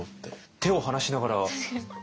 手を離しながらねえ。